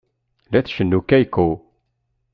La tcennu Keiko.